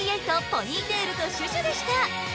「ポニーテールとシュシュ」でした